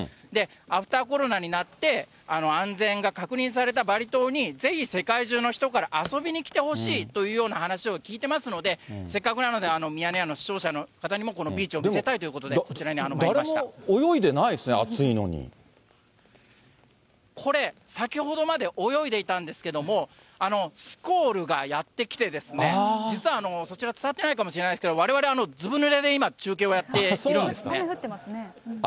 アフターコロナになって、安全が確認されたバリ島に、ぜひ世界中の人から遊びに来てほしいというような話を聞いてますので、せっかくなので、ミヤネ屋の視聴者の方にもビーチを見てもらいたいということで、誰も泳いでないですね、暑いこれ、先ほどまで泳いでいたんですけれども、スコールがやって来て、実はそちら、伝わってないかもしれないですけれども、われわれ、ずぶぬれで今、雨降ってますね。